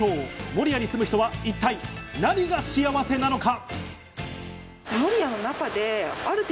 守谷に住む人は一体、何が幸せなのか。